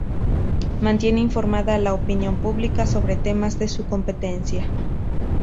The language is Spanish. Mantiene informada a la opinión pública sobre temas de su competencia.